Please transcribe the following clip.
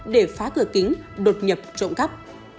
để phá cửa kính đột nhập trộm cắp